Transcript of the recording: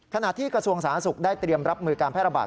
กระทรวงสาธารณสุขได้เตรียมรับมือการแพร่ระบาด